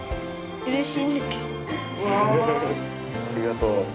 ありがとう。